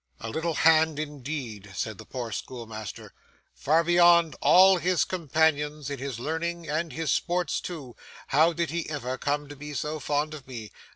'A little hand indeed,' said the poor schoolmaster. 'Far beyond all his companions, in his learning and his sports too, how did he ever come to be so fond of me!